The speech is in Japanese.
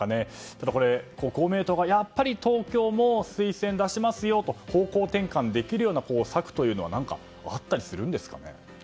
ただ、これ公明党がやっぱり東京も推薦出しますよと方向転換できるような策というのは何か、あったりするんですかね？